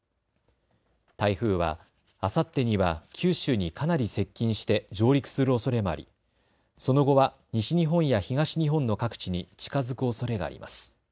台風はあさってには九州にかなり接近して上陸するおそれもありその後は西日本や東日本の各地に近づくおそれがあります。